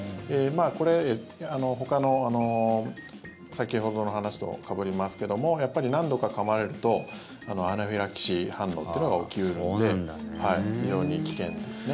これ、ほかの先ほどの話とかぶりますけどもやっぱり何度かかまれるとアナフィラキシー反応というのが起き得るので非常に危険ですね。